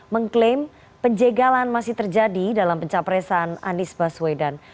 mengklaim penjagalan masih terjadi dalam pencapresan anies baswedan